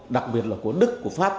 đặc biệt là của đức của pháp